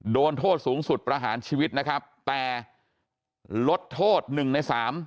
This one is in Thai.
โดนโทษสูงสุดประหารชีวิตนะครับแต่ลดโทษหนึ่งในสาม